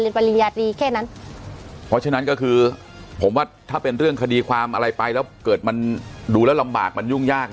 ปริญญาตีแค่นั้นเพราะฉะนั้นก็คือผมว่าถ้าเป็นเรื่องคดีความอะไรไปแล้วเกิดมันดูแล้วลำบากมันยุ่งยากนะ